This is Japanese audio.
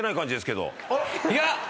いや。